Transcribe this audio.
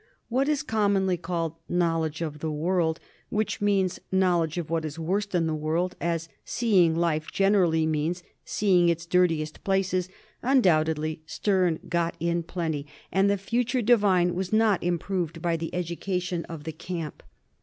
What is commonly called knowledge of the world, which means knowledge of what is worst in the world, as '' seeing life " generally means seeing its dirtiest places, undoubtedly Sterne got in plenty, and the future divine was not improved by the education of the camp.